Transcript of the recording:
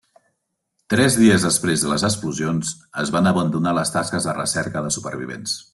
Tres dies després de les explosions es van abandonar les tasques de recerca de supervivents.